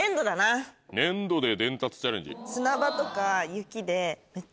粘土で伝達チャレンジ。